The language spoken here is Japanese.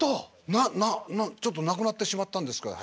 なななちょっと亡くなってしまったんですけどね。